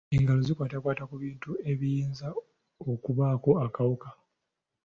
Engalo zikwatakwata ku bintu ebiyinza okubaako akawuka.